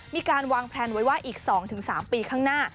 มีการวางแพลนไว้ว่าอีกสองถึงสามปีข้างหน้า